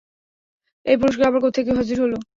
এই পুরষ্কার আবার কোত্থেকে হাজির হলো?